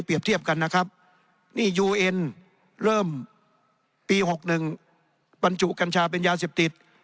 เทียบกันนะครับนี่ยูเอ็นเริ่มปี๖๑บรรจุกัญชาเป็นยาเสพติด